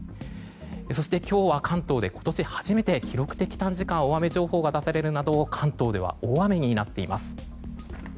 そして今日は関東で今年初めて記録的短時間大雨情報が出されるなど関東では大雨になっています。